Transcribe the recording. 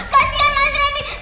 kasian mas randy